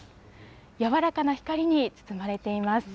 柔らかな光に包まれています。